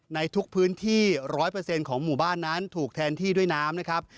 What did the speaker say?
ในทุกพื้นที่๑๐๐ของหมู่บ้านนั้นถูกแทนที่ด้วยน้ำนะครับ